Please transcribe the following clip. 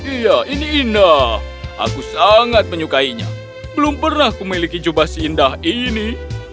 iya ini indah aku sangat menyukainya belum pernah aku memiliki jubah seindah ini